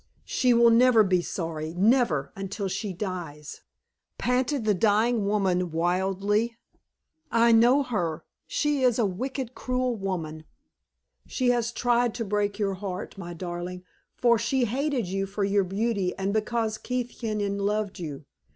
"She will never be sorry never, until she dies!" panted the dying woman, wildly. "I know her; she is a wicked, cruel woman. She has tried to break your heart, my darling; for she hated you for your beauty, and because Keith Kenyon loved you.